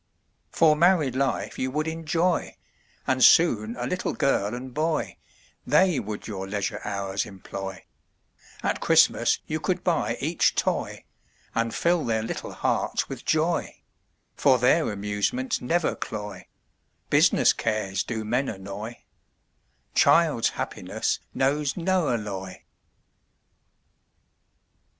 For married life you would enjoy, And soon a little girl and boy, They would your leisure hours employ, At Christmas you could buy each toy, And fill their little hearts with joy, For their amusements never cloy, Business cares do men annoy, Child's happiness knows no alloy.